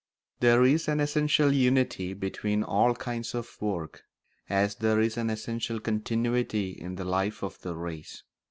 There is an essential unity between all kinds of work, as there is an essential continuity in the life of the race.